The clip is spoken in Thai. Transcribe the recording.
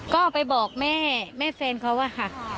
ก็ไปบอกแม่เมื่อเฟนเขาว่า